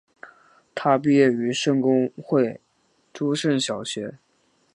他毕业于圣公会诸圣小学。